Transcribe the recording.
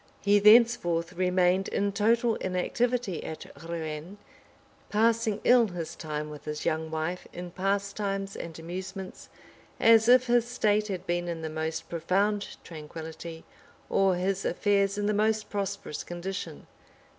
He thenceforth remained in total inactivity at Rouen; passing ill his time with his young wife in pastimes and amusements, as if his state had been in the most profound tranquillity, or his affairs in the most prosperous condition.